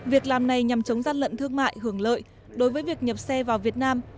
việc làm này nhằm chống gian lận thương mại hưởng lợi đối với việc nhập xe vào việt nam